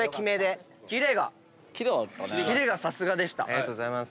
ありがとうございます。